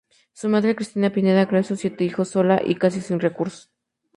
Su madre, Cristina Pineda, crio a sus siete hijos sola y casi sin recursos.